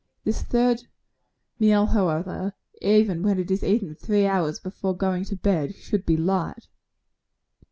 This third meal, however, even when it is eaten three hours before going to bed, should be light.